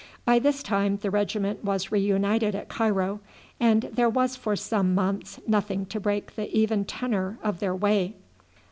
By this time the regiment was re united at Cairo, and there was for some months nothing to break the even tenor of their way.